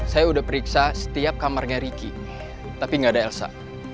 saya udah periksa setiap kamarnya ricky tapi gak ada elsa